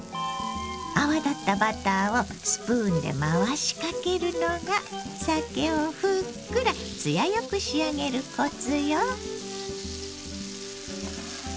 泡立ったバターをスプーンで回しかけるのがさけをふっくら艶よく仕上げるコツよ。